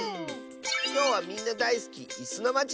きょうはみんなだいすき「いすのまち」